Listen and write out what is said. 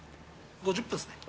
５０分ですね。